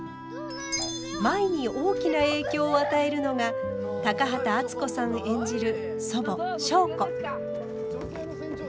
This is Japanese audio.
舞に大きな影響を与えるのが高畑淳子さん演じる祖母祥子。